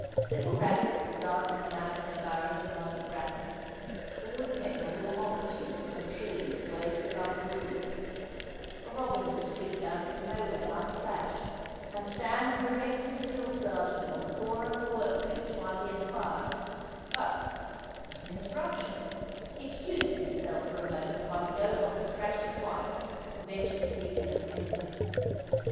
Little rabbits will dart in and out of their burrows among the bracken; the woodpecker will mock at you from a tree that waves above the roof; a robin will streak down from nowhere, like a flash, and stand as erect as a drill sergeant on the corner of the work bench while he inquires—but, there is an interruption; he excuses himself for a moment while he goes off to thrash his wife who ventured to peep in at the window.